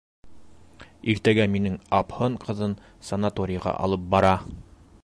Иртәгә минең апһын ҡыҙын санаторийға алып бара.